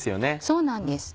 そうなんです。